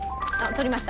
取りました？